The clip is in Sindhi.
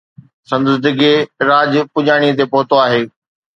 سندس ڊگھي راڄ پڄاڻي تي پهتو آهي.